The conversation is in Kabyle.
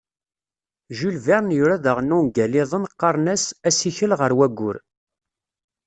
Jules Verne yura daɣen ungal-iḍen qqaren-as "Asikel ɣer wayyur".